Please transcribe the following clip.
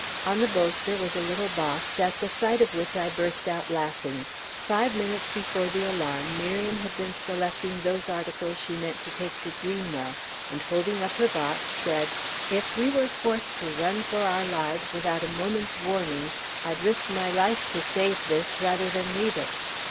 On the bolster was a little box, at the sight of which I burst out laughing. Five minutes before the alarm, Miriam had been selecting those articles she meant to take to Greenwell, and, holding up her box, said, "If we were forced to run for our lives without a moment's warning, I'd risk my life to save this, rather than leave it!"